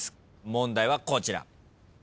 問題はこちら。